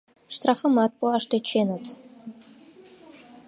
Штрафымат пуаш тӧченыт...